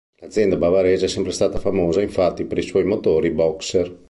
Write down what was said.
L'azienda bavarese è sempre stata famosa infatti per i suoi motori boxer.